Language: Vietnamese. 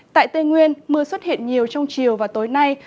tại tây nguyên mưa xuất hiện nhiều trong chiều và tối nay